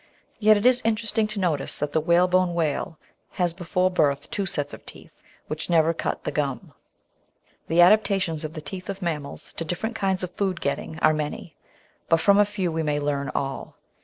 Yet it is interesting to notice that the whalebone whale has before birth two sets of teeth, which never cut the gum! The adaptations of the teeth of mammals to different kinds of food getting are many ; but from a few we may learn all.